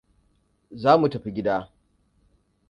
Zamu tafi gida.